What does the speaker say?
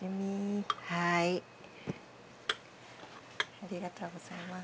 ありがとうございます。